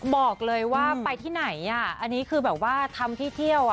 บอกเลยว่าไปที่ไหนอ่ะอันนี้คือแบบว่าทำที่เที่ยวอ่ะ